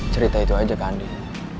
cerita itu aja ke andin